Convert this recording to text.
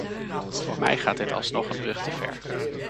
Voor mij gaat dit alsnog een brug te ver.